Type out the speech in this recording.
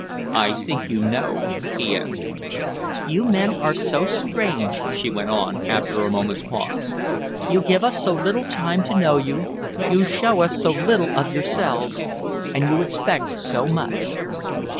"I think you know," he answered. "You men are so strange," she went on, after a moment's pause. "You give us so little time to know you, you show us so little of yourselves and you expect so much."